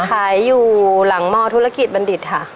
ขายอยู่หลังหมอธุรกิจบรรดิษฐ์ค่ะ